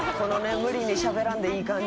無理にしゃべらんでいい感じ。